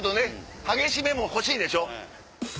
激しめも欲しいでしょ？